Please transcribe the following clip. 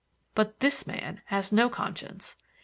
But this man has no conscience.